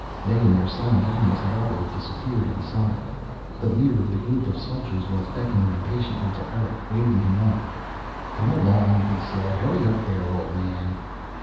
They and their silent animals had already disappeared inside. The leader of the group of soldiers was beckoning impatiently to Erick, waving him on. "Come along!" he said. "Hurry up there, old man."